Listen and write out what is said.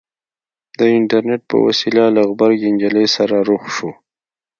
د اينټرنېټ په وسيله له غبرګې نجلۍ سره رخ شو.